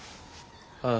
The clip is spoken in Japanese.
ああ。